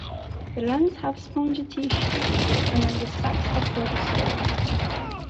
The lungs have spongy tissue unlike the sacs of other saurians.